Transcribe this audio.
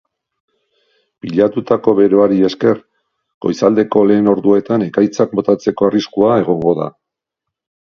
Pilatutako beroari esker, goizaldeko lehen orduetan ekaitzak botatzeko arriskua egongo da.